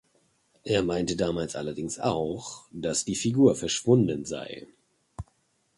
Er meinte damals allerdings auch, dass die Figur verschwunden sei.